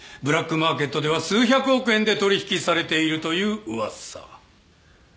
ブラックマーケットでは数百億円で取引されているという噂。